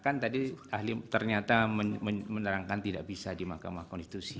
kan tadi ahli ternyata menerangkan tidak bisa di mahkamah konstitusi